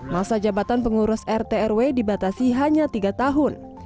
masa jabatan pengurus rt rw dibatasi hanya tiga tahun